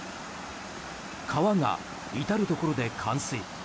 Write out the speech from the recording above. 川が至るところで冠水。